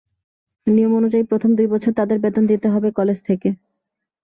নিয়ম অনুযায়ী প্রথম দুই বছর তাঁদের বেতন দিতে হবে কলেজ থেকে।